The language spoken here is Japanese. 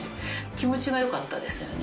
気持ちが良かったですよね。